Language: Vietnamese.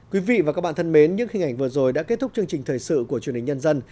quý vị và các bạn thân mến những hình ảnh vừa rồi đã kết thúc chương trình thời sự của truyền hình nhân dân